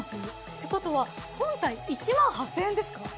てことは本体１８，０００円ですか？